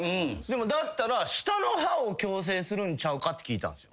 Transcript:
だったら下の歯を矯正するんちゃうかって聞いたんですよ。